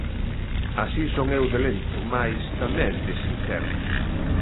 Así son eu de lento, mais tamén de sincero.